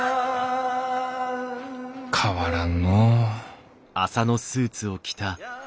変わらんのう。